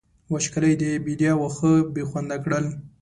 وچکالۍ د بېديا واښه بې خونده کړل.